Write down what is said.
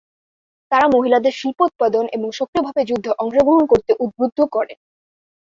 তাঁরা মহিলাদের শিল্পোৎপাদন এবং সক্রিয়ভাবে যুদ্ধে অংশগ্রহণ করতে উদ্বুদ্ধ করেন।